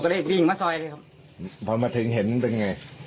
ผมก็เลยบินมาซอยเลยครับพอมาถึงเห็นเป็นยังไง